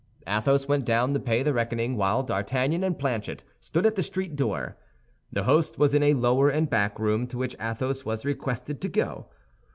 Athos went down to pay the reckoning, while D'Artagnan and Planchet stood at the street door. The host was in a lower and back room, to which Athos was requested to go.